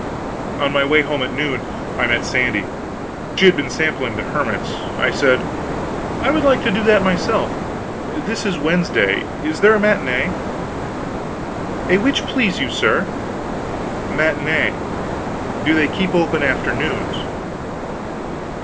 On my way home at noon, I met Sandy. She had been sampling the hermits. I said: "I would like to do that myself. This is Wednesday. Is there a matinee?" "A which, please you, sir?" "Matinee. Do they keep open afternoons?"